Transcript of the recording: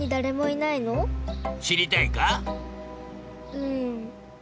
うん。